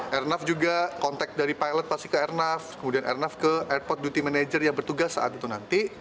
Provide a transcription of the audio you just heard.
airnav juga kontak dari pilot pasti ke airnav kemudian airnav ke airport duty manager yang bertugas saat itu nanti